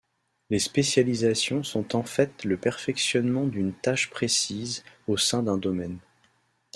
Les spécialisations sont en fait le perfectionnement d'une tâche précise au sein d'un domaine.